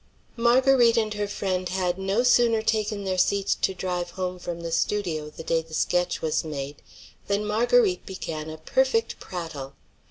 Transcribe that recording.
Marguerite and her friend had no sooner taken their seats to drive home from the studio the day the sketch was made than Marguerite began a perfect prattle.